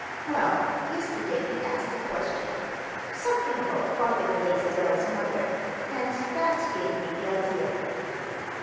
Well, yesterday he asked a question—something about Father Blaisdell's mother; and that gave me the idea.